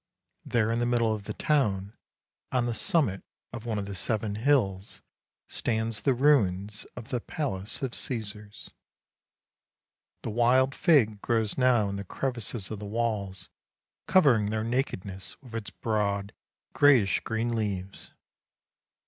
There in the middle of the town, on the summit of one of the seven hills, stands the ruins of the palace of Caesars. The wild fig grows now in the crevices of the walls, covering their nakedness with its broad greyish green leaves.